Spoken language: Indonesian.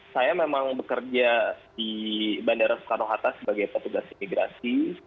saya memang bekerja di bandara soekarno hatta sebagai petugas imigrasi